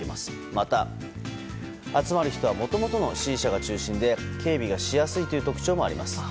また、集まる人はもともとの支持者が中心で警備がしやすいという特徴もあります。